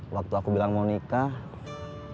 waktu aku bilang mau nikah